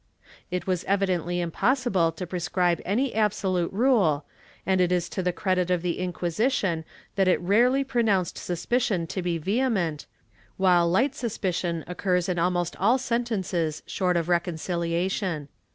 It was evidently impossible to prescribe any absolute rule, and it is to the credit of the Inquisition that it rarely pro nounced suspicion to be vehement, while light suspicion occurs in almost all sentences short of reconciliation.